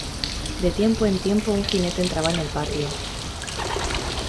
de tiempo en tiempo un jinete entraba en el patio: